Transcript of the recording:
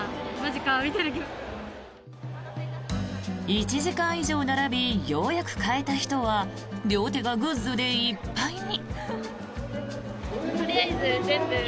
１時間以上並びようやく買えた人は両手がグッズでいっぱいに。